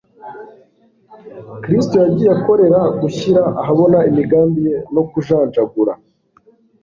Kristo yagiye akorera gushyira ahabona imigambi ye no kujanjagura